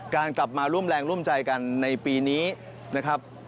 กลับมาร่วมแรงร่วมใจกันในปีนี้นะครับ